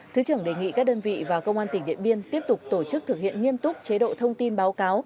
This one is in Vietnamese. thứ trưởng đề nghị các đơn vị và công an tỉnh điện biên tiếp tục tổ chức thực hiện nghiêm túc chế độ thông tin báo cáo